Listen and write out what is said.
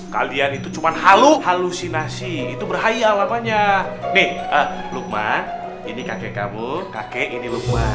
kalian itu cuma halus halusinasi itu berhaya wapanya nih lukman ini kakek kamu kakek ini